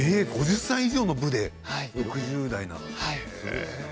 ５０歳以上の部で６０代なのに。